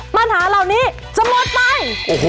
ปัญหาเหล่านี้จะหมดไป